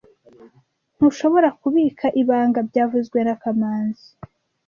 Ntushobora kubika ibanga byavuzwe na kamanzi